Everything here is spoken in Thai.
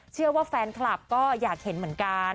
เชื่อว่าแฟนคลับก็อยากเห็นเหมือนกัน